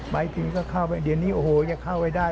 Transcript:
ไปที่นี่ก็เข้าไปเดี๋ยวนี้โอ้โฮจะเข้าไปได้